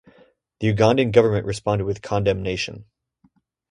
The Ugandan government responded with condemnation.